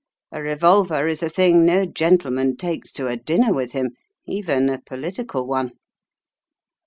A revolver is a thing no gentleman takes to a dinner with him, even a political one."